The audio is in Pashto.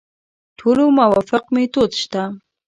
ټولو موافق میتود شته.